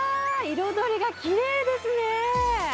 彩りがきれいですね。